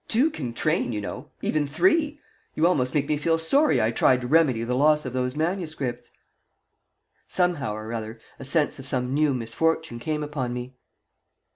Two can train, you know even three. You almost make me feel sorry I tried to remedy the loss of those MSS." Somehow or other a sense of some new misfortune came upon me.